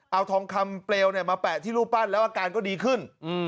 เอาทองคำเปลวมาแปะที่รูปปั้นแล้วอาการก็ดีขึ้น